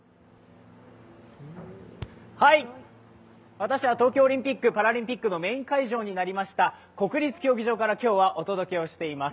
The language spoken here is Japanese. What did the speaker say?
私は東京オリンピック・パラリンピックのメイン会場になりました国立競技場から今日はお届けをしています。